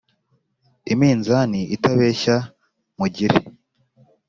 Iminzani itabeshya mugire